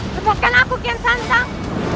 lepaskan aku kian santang